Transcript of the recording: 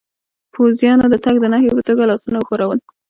پوځیانو د تګ د نښې په توګه لاسونه و ښورول.